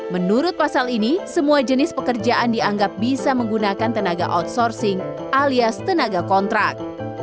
menurut pasal ini semua jenis pekerjaan dianggap bisa menggunakan tenaga outsourcing alias tenaga kontrak